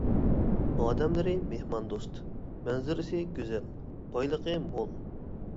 ئادەملىرى مېھماندوست، مەنزىرىسى گۈزەل، بايلىقى مول.